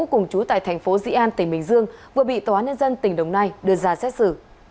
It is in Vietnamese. cùng chú tại thành phố dĩ an tỉnh bình dương vừa bị tòa nhân dân tỉnh đồng nai đưa ra xét xử